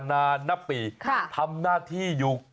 นานนับปีทำหน้าที่อยู่